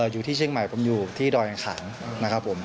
อยู่ที่เชียงใหม่ผมอยู่ที่ดอยอังขางนะครับผม